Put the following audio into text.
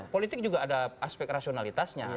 politik juga ada aspek rasionalitasnya